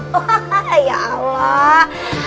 oh ya allah